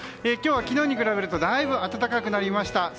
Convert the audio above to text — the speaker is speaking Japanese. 今日は昨日に比べるとだいぶ暖かくなりました。